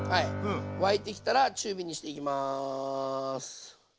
沸いてきたら中火にしていきます。